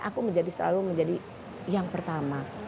aku selalu menjadi yang pertama